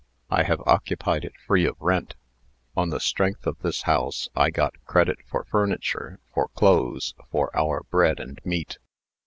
I have occupied it free of rent. On the strength of this house, I got credit for furniture, for clothes, for our bread and meat.